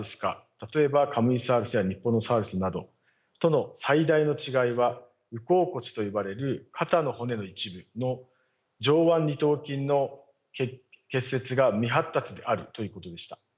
例えばカムイサウルスやニッポノサウルスなどとの最大の違いは烏口骨と呼ばれる肩の骨の一部の上腕二頭筋の結節が未発達であるということでした。